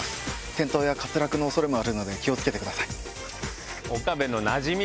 転倒や滑落の恐れもあるので気を付けてください。